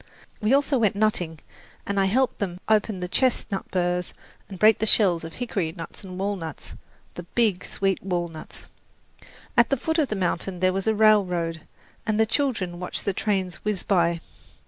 We also went nutting, and I helped them open the chestnut burrs and break the shells of hickory nuts and walnuts the big, sweet walnuts! At the foot of the mountain there was a railroad, and the children watched the trains whiz by.